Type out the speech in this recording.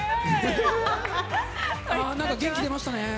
何か元気出ましたね。